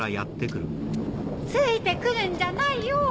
ついて来るんじゃないよ！